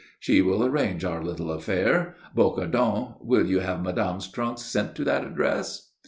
She will arrange our little affair. Bocardon, will you have madame's trunks sent to that address?"